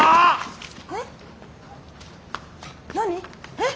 えっ？